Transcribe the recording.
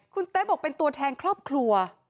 คุณเต๊ะบอกเป็นตัวแทนครอบครัว